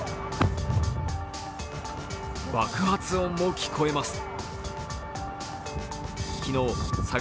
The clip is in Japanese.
爆発音も聞こえます。